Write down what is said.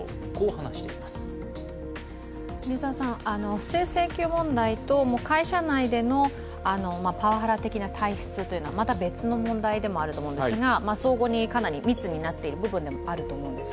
不正請求問題と会社内でのパワハラ的な体質というのはまた別の問題でもあると思うんですが相互にかなり密になっている部分でもあると思うんです。